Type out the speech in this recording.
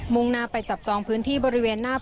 งหน้าไปจับจองพื้นที่บริเวณหน้า